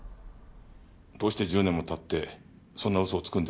どうして１０年も経ってそんな嘘をつくんですか？